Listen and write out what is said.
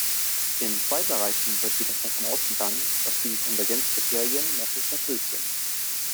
In zwei Bereichen wird jedoch davon ausgegangen, dass die Konvergenzkriterien noch nicht erfüllt sind.